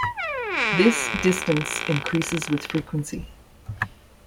This distance increases with frequency.